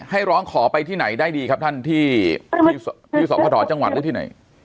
ให้ร้องขอไปที่ไหนได้ดีครับท่านที่ยูสอบพระถอดจังหวันหรือที่ไหน